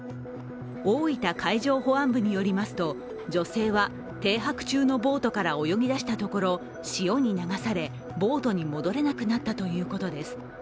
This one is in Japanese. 大分海上保安部によりますと女性は停泊中のボートから泳ぎだしたところ潮に流されボートに戻れなくなったということです。